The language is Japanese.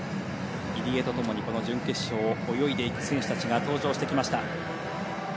入江とともに準決勝を泳いでいく選手たちが登場してきました。